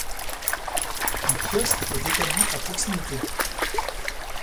Un kiosque est établi à proximité.